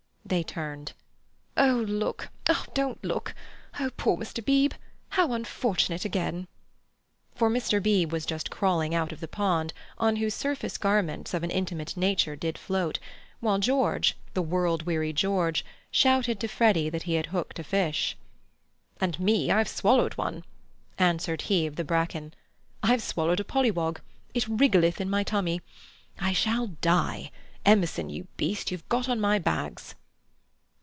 They turned. "Oh, look—don't look! Oh, poor Mr. Beebe! How unfortunate again—" For Mr. Beebe was just crawling out of the pond, on whose surface garments of an intimate nature did float; while George, the world weary George, shouted to Freddy that he had hooked a fish. "And me, I've swallowed one," answered he of the bracken. "I've swallowed a pollywog. It wriggleth in my tummy. I shall die—Emerson you beast, you've got on my bags."